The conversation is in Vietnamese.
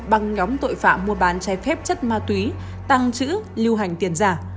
bằng nhóm tội phạm mua bán chai phép chất ma túy tăng chữ lưu hành tiền giả